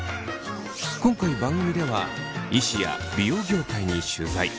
今回番組では医師や美容業界に取材。